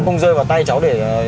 không rơi vào tay cháu để